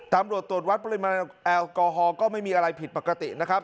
ตำรวจตรวจวัดปริมาณแอลกอฮอลก็ไม่มีอะไรผิดปกตินะครับ